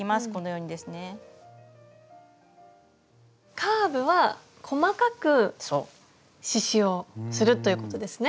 カーブは細かく刺しゅうをするということですね。